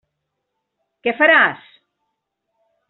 Què faràs?